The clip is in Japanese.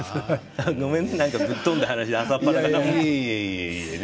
ごめんね、なんかぶっ飛んだ話で朝っぱらから。